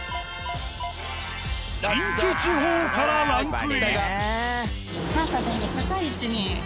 近畿地方からランクイン。